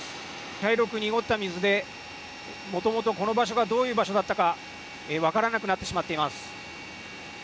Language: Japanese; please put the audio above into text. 茶色く濁った水でもともとこの場所がどういう場所だったか分からなくなってしまっています。